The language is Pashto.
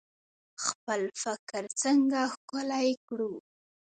خپل فکر څنګه ښکلی کړو؟